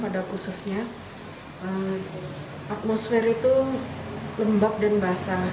pada khususnya atmosfer itu lembab dan basah